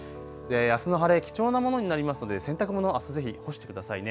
あすの晴れ、貴重なものになりますので洗濯物、あすぜひ干してくださいね。